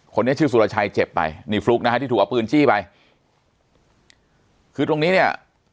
คนนี้ชื่อสุรชัยเจ็บไปนี่ฟลุ๊กนะฮะที่ถูกเอาปืนจี้ไปคือตรงนี้เนี่ย